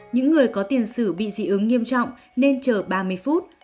những người có tiền sử bị dị ứng nghiêm trọng nên chờ ba mươi phút